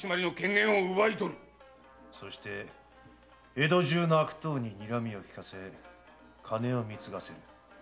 そして江戸中の悪党ににらみを効かせ金を貢がせる。